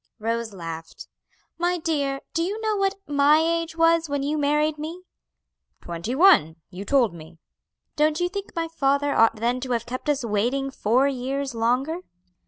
Rose laughed. "My dear, do you know what my age was when you married me?" "Twenty one, you told me." "Don't you think my father ought then to have kept us waiting four years longer?"